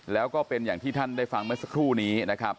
แล้วก็เป็นอย่างที่ท่านได้ฟังเมื่อสักครู่นี้นะครับ